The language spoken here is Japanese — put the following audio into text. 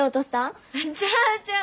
ちゃうちゃう！